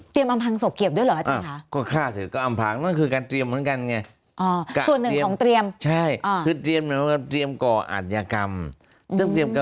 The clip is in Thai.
อำพังศพเกียบด้วยเหรออาจารย์คะ